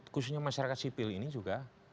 khususnya masyarakat sipil ini juga